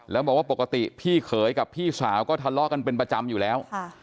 แล้วบอกว่าปกติพี่เขยกับพี่สาวก็ทะเลาะกันเป็นประจำอยู่แล้ว